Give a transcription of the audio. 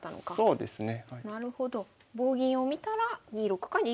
そうですね。